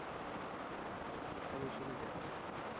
আমি চলে যাচ্ছি।